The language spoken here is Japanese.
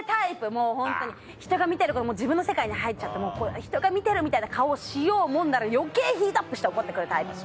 もうホントに人が見てると自分の世界に入っちゃって人が見てるみたいな顔をしようもんなら余計ヒートアップして怒って来るタイプ。